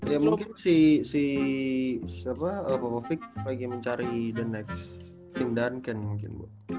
ya mungkin si bapak lagi mencari the next tim danken mungkin